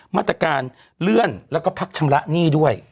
มาตรการเลื่อนแล้วก็พักชำระหนี้ด้วย